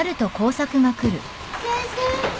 先生？